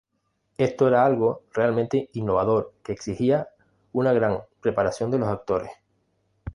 Esto era algo realmente innovador que exigía una gran preparación de los actores.